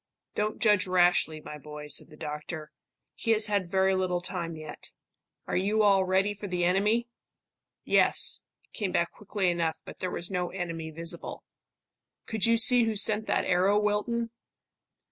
"Don't judge rashly, my boy," said the doctor. "He has had very little time yet. Are you all ready for the enemy?" "Yes," came back quickly enough; but there was no enemy visible. "Could you see who sent that arrow, Wilton?"